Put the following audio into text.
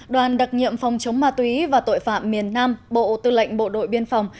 đoàn đặc nhiệm phòng chống ma túy và tội phạm miền nam bộ tư lệnh bộ đội biên phòng